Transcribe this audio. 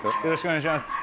よろしくお願いします。